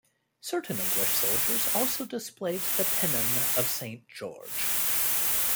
Certain English soldiers also displayed the pennon of Saint George.